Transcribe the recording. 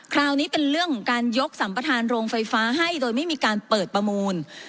คราวนี้เป็นเรื่องของการยกสัมประธานโรงไฟฟ้าให้โดยไม่มีการเปิดประมูล